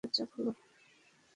পেছনের দরজা খোলো।